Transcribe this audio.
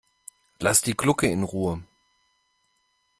Lass die Glucke in Ruhe!